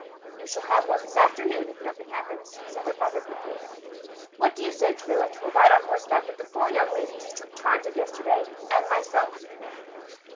"You shall have one this afternoon, if nothing happens," said her father quickly. "What do you say, Travilla, to a ride on horseback with the four young ladies you took charge of yesterday, and myself?"